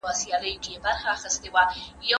سیاست په دولت کې خپل ځانګړی ځای لري.